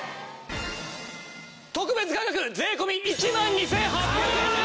特別価格税込１万２８００円です！